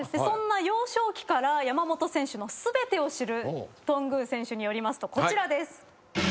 そんな幼少期から山本選手の全てを知る頓宮選手によりますとこちらです。